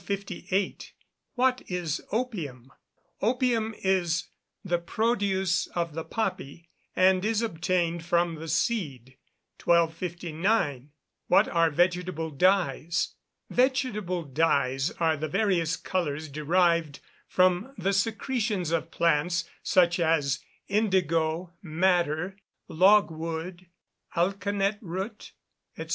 What is opium? Opium is the produce of the poppy, and is obtained from the seed. 1259. What are vegetable dyes? Vegetable dyes are the various colours derived from the secretions of plants, such as indigo, madder, logwood, alkanet root, _&c.